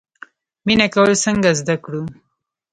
مینه کول څنګه زده کړو؟